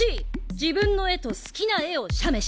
自分の絵と好きな絵を写メして。